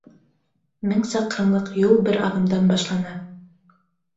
Мең саҡрымлыҡ юл бер аҙымдан башлана.